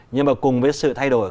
nhưng mà cùng với sự thay đổi